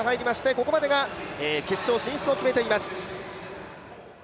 ここまでが決勝進出を決めています。